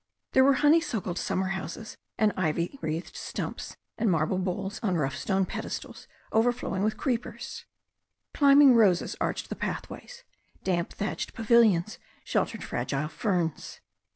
There were honeysuckled summer houses and ivy wreathed stumps, and marble bowls on rough stone pedestals overflowing with creepers. Climbing roses arched the pathways; damp thatched pavilions sheltered fragile ferns.